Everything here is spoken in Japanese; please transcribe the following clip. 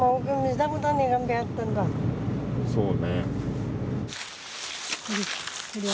そうね。